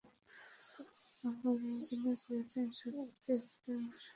আরও অভিনয় করছেন শতাব্দী ওয়াদুদ, অরুণা বিশ্বাস, নীলা আহমেদ, ডিজে সোহেল প্রমুখ।